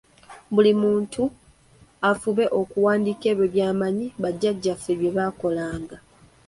Buli muntu afube okuwandiika ebyo byamanyi bajajjaffe bye baakolanga.